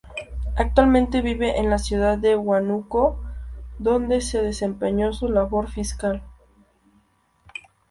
Actualmente vive en la ciudad de Huánuco, donde se desempeñó su labor fiscal.